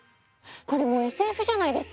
これもうＳＦじゃないですか！